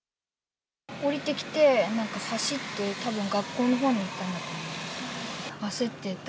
降りてきて、なんか走って、たぶん学校のほうに行ったんだと思います。